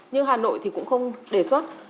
nhưng hà nội thì cũng không đề xuất